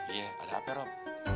iya ada hape rob